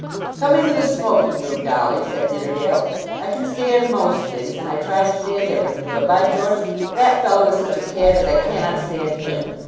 "Come into the smoking room, Dolly," said Nidderdale. "I can stand most things, and I try to stand everything; but, by George, that fellow is such a cad that I cannot stand him.